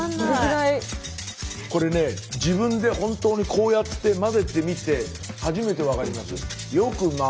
これね自分で本当にこうやって混ぜてみて初めて分かります。